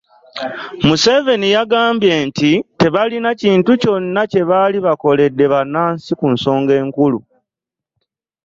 Museveni yagambye nti,‘’ Tebalina kintu kyonna kye baali bakoledde bannansi ku nsonga enkulu.”